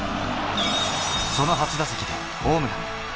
その初打席でホームラン。